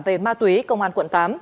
về ma túy công an quận tám